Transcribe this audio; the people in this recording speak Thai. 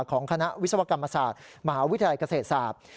ของคณะวิศวกรรมศาสตร์มหาวิทยาลัยเกษตรศาสตร์